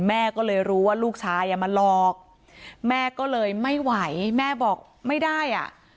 แม่ก็เลยรู้ว่าลูกชายอ่ะมาหลอกแม่ก็เลยไม่ไหวแม่บอกไม่ได้อ่ะ